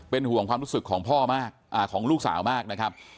ห่วงความรู้สึกของพ่อมากของลูกสาวมากนะครับ